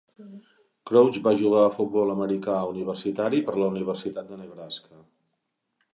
Crouch va jugar a futbol americà universitari per la Universitat de Nebraska.